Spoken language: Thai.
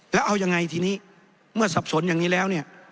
แล้วเอายังไงทีนี้เมื่อสับสนอย่างนี้แล้วเนี่ย